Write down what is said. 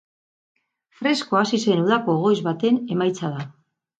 Fresko hasi zen udako goiz baten emaitza da.